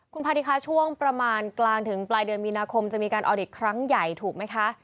คุณพาธิคะช่วงประมาณกลางถึงปลายเดือนมีนาคมจะมีการออดิตครั้งใหญ่ถูกไหมคะ